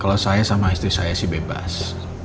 kalau saya sama istri saya sih bebas